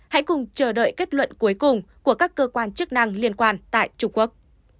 hãy cùng chờ đợi kết luận cuối cùng của các cơ quan chức năng liên quan tại trung quốc